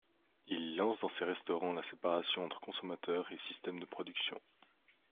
Il lance dans ces restaurants la séparation entre consommateurs et système de production.